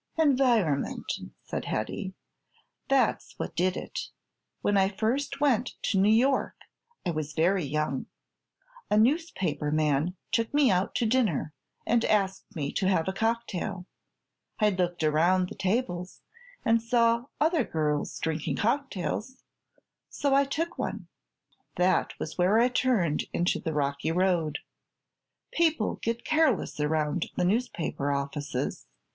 "Environment," said Hetty. "That's what did it. When I first went to New York I was very young. A newspaper man took me out to dinner and asked me to have a cocktail. I looked around the tables and saw other girls drinking cocktails, so I took one. That was where I turned into the rocky road. People get careless around the newspaper offices.